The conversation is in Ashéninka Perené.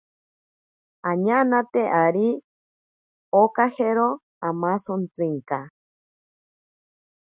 Añanate ari okajero amasontsinka.